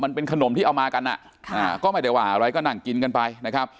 มันเป็นขนมที่เอามากันอ่ะค่ะอ่าก็ไม่ได้ว่าอะไรก็นั่งกินกันไปนะครับ